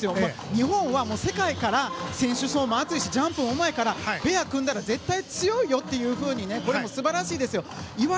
世界から選手層も厚いしジャンプもうまいからペアを組んだら、絶対強いよ素晴らしいですよ。